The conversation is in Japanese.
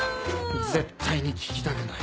絶対に聞きたくない